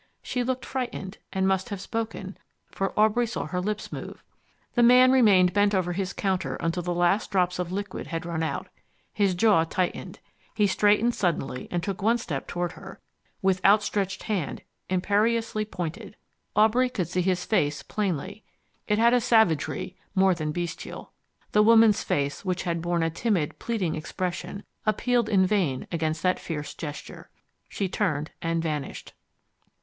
She looked frightened, and must have spoken, for Aubrey saw her lips move. The man remained bent over his counter until the last drops of liquid had run out. His jaw tightened, he straightened suddenly and took one step toward her, with outstretched hand imperiously pointed. Aubrey could see his face plainly: it had a savagery more than bestial. The woman's face, which had borne a timid, pleading expression, appealed in vain against that fierce gesture. She turned and vanished.